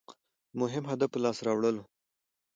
د مهم هدف په لاس راوړل.